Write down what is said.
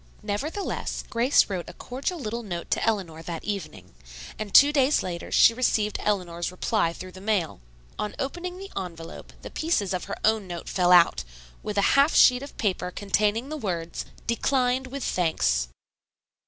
Nevertheless, Grace wrote a cordial little note to Eleanor that evening, and two days later she received Eleanor's reply through the mail. On opening the envelope the pieces of her own note fell out, with a half sheet of paper containing the words, "Declined with thanks."